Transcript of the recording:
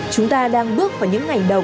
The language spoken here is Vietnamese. chúng ta đang bước vào những ngày đầu